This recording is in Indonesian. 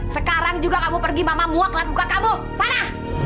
sekarang juga kamu pergi mama muaklan buka kamu sana